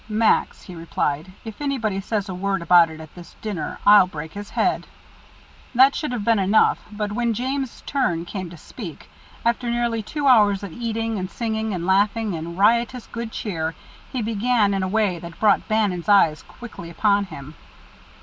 "Max," he replied, "if anybody says a word about it at this dinner I'll break his head." That should have been enough, but when James' turn came to speak, after nearly two hours of eating and singing and laughing and riotous good cheer, he began in a way that brought Bannon's eyes quickly upon him.